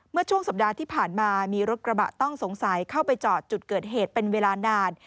เมื่อช่วงสัปดาห์ที่ผ่านมามีรถกระบะต้องสงสัยเข้าไปจอดจุดเกิดเหตุเป็นเวลานาน